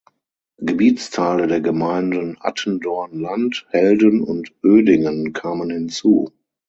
Gebietsteile der Gemeinden Attendorn-Land, Helden und Oedingen kamen hinzu.